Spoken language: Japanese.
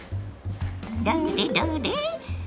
どれどれ？